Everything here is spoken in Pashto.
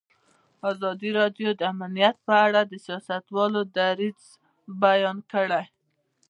ازادي راډیو د امنیت په اړه د سیاستوالو دریځ بیان کړی.